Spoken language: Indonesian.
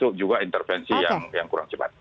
jadi itu adalah satu intervensi yang kurang cepat